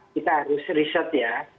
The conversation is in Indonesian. kita harus riset ya